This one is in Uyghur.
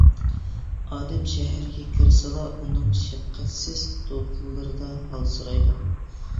ئادەم شەھەرگە كىرسىلا ئۇنىڭ شەپقەتسىز دولقۇنلىرىدا ھالسىرايدۇ.